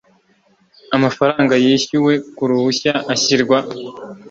amafaranga yishyuwe ku ruhushya ashyirwa